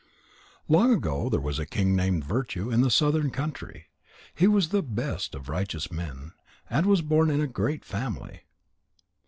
Long ago there was a king named Virtue in the southern country. He was the best of righteous men, and was born in a great family.